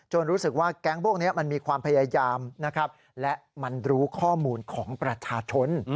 รู้สึกว่าแก๊งพวกนี้มันมีความพยายามนะครับและมันรู้ข้อมูลของประชาชน